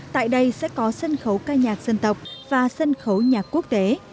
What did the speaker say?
tại đây sẽ có sân khấu ca nhạc dân tộc và sân khấu nhạc quốc tế